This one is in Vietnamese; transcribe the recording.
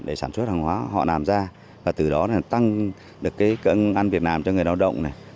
để sản xuất hàng hóa họ làm ra và từ đó tăng được cơ ngân việt nam cho người lao động